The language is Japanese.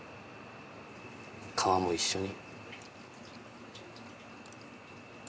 皮も一緒に。